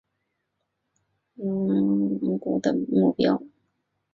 伊弗里基叶的无政府状态使它成为西西里诺曼王国的目标。